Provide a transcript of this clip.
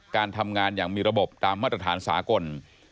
การทำงานอย่างมีระบบตามมาตรฐานสากล